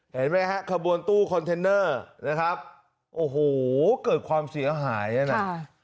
เห็นไหมฮะขบวนตู้คอนเทนเนอร์นะครับโอ้โหเกิดความเสียหายอ่ะนะ